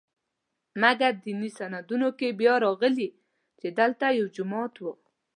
مګر دیني سندونو کې بیا راغلي چې دلته یو جومات و.